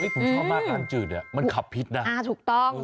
นี่ผมชอบมากอันจืดอ่ะมันขับพิษนะอ่าถูกต้อง